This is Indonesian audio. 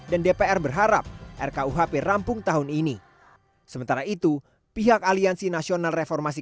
dan dpr berharap rk uhp rampung tahun ini sementara itu pihak aliansi nasional reformasi